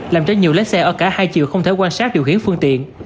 làm cho nhiều lái xe ở cả hai chiều không thể quan sát điều khiển phương tiện